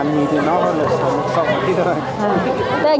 nhìn thì nó là sống sống